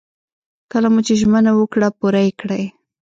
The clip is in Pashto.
کله مو ژمنه وکړه پوره يې کړئ.